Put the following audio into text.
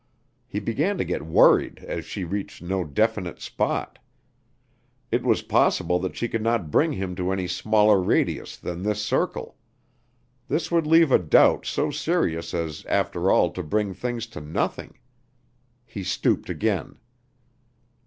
He began to get worried as she reached no definite spot. It was possible that she could not bring him to any smaller radius than this circle. This would leave a doubt so serious as after all to bring things to nothing. He stooped again.